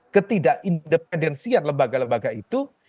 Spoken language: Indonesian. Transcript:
ketidak independensian lembaga lembaga itu